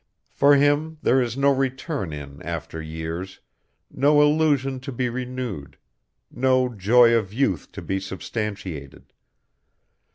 For him there is no return in after years, no illusion to be renewed, no joy of youth to be substantiated.